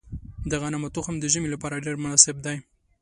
د غنمو تخم د ژمي لپاره ډیر مناسب دی.